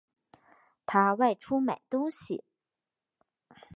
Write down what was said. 他外出买东西